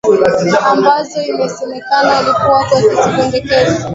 ambazo inasemekana alikuwa akizipeleka kwa wanamgambo wa katika mkoa wa Kobu